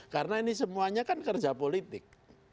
karena ini semuanya kan kerja politik